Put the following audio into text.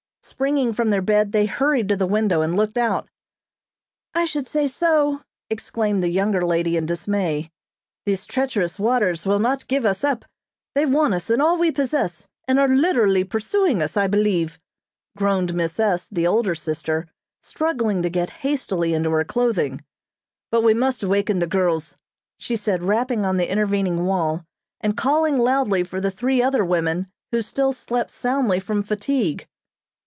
Springing from their bed they hurried to the window and looked out. "I should say so!" exclaimed the younger lady in dismay. "These treacherous waters will not give us up. They want us, and all we possess, and are literally pursuing us, I believe," groaned Miss S., the older sister, struggling to get hastily into her clothing. "But we must waken the girls," she said, rapping on the intervening wall, and calling loudly for the three other women who still slept soundly from fatigue.